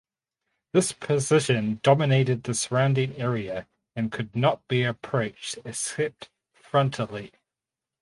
This position dominated the surrounding area and could not be approached except frontally.